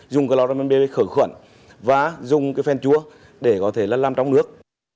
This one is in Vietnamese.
dùng cloramibê khử khuẩn và dùng phèn chúa để có thể làm trong nước